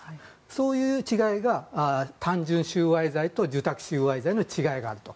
そういう違いが単純収賄罪と受託収賄罪の違いだと。